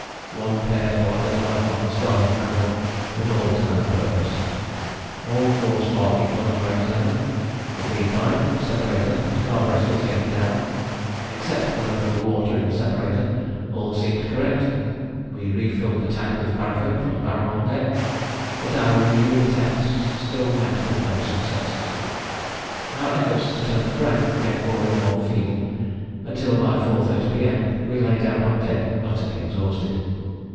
One pair followed another on the starting handle, but all to no purpose. All four sparking plugs were examined: the feed pipe, separator, and carburetter were taken down. Except for a little water in the separator, all seemed correct. We refilled the tank with paraffin from the barrel on deck, but our renewed attempts still met with no success. Our efforts to turn the crank became more and more feeble, until, by 4.30 P.M., we lay down on deck utterly exhausted.